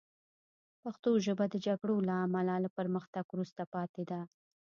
پښتو ژبه د جګړو له امله له پرمختګ وروسته پاتې ده